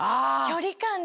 距離感ね。